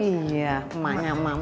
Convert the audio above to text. iya emaknya emak emak